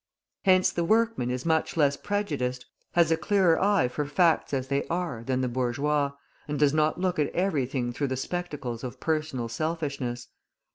Hence the workman is much less prejudiced, has a clearer eye for facts as they are than the bourgeois, and does not look at everything through the spectacles of personal selfishness.